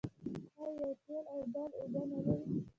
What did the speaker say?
آیا یوه تېل او بل اوبه نلري؟